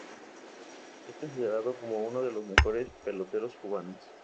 Es considerado como uno de los mejores peloteros cubanos.